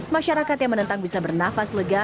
masyarakat yang menentang bisa bernafas lega